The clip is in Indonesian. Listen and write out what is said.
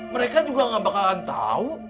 mereka juga gak bakalan tahu